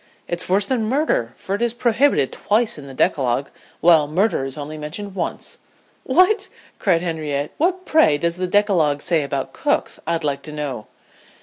"It's worse than murder, for it is prohibited twice in the decalogue, while murder is only mentioned once." "What!" cried Henrietta "What, pray, does the decalogue say about cooks, I'd like to know?"